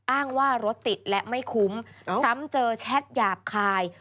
อ้างว่ารถติดและไม่คุ้มซ้ำเจอแชทหยาบคาย